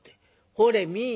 「ほれ見い。